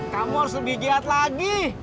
kamu harus lebih giat lagi